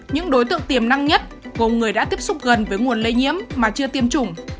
những đối tượng tiềm năng nhất gồm người đã tiếp xúc gần với nguồn lây nhiễm mà chưa tiêm chủng